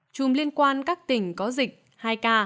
chùm liên quan các tỉnh có dịch